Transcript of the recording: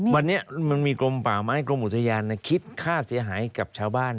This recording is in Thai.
วันนี้มันมีกรมป่าไม้กรมอุทยานคิดค่าเสียหายกับชาวบ้าน